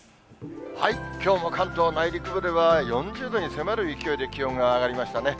きょうも関東内陸部では４０度に迫る勢いで気温が上がりましたね。